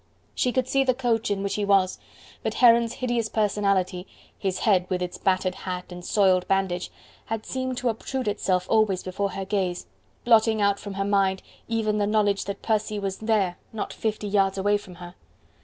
She could see the coach in which he was, but Heron's hideous personality, his head with its battered hat and soiled bandage, had seemed to obtrude itself always before her gaze, blotting out from her mind even the knowledge that Percy was there not fifty yards away from her.